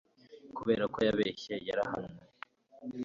kubera ko yabeshye, yarahanwe